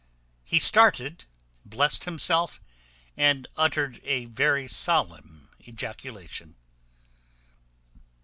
He started, blessed himself, and uttered a very solemn ejaculation.